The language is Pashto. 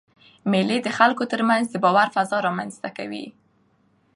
مېلې د خلکو ترمنځ د باور فضا رامنځ ته کوي.